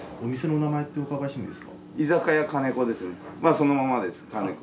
そのままです兼子。